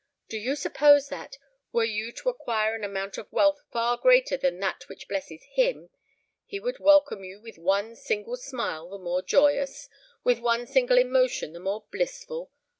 Do you suppose that, were you to acquire an amount of wealth far greater than that which blesses him, he would welcome you with one single smile the more joyous—with one single emotion the more blissful?